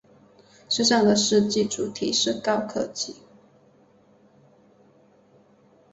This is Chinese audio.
车站的设计主题是高科技。